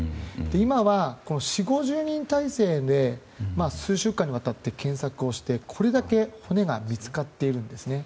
今は、４０５０人態勢で数週間にわたって検索をしてこれだけ骨が見つかっているんですね。